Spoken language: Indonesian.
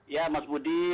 ya mas budi